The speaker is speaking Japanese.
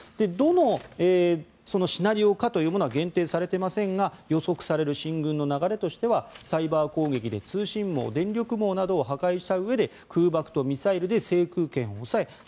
どのシナリオかというものは限定されていませんが予測される進軍の流れとしてはサイバー攻撃で通信網、電力網などを破壊したうえで空爆とミサイルで制空権を抑え